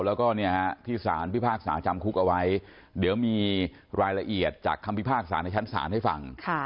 แล้วก็ที่สารพิพากษาจำคุกเอาไว้เดี๋ยวมีรายละเอียดจากคำพิพากษาในชั้นศาลให้ฟัง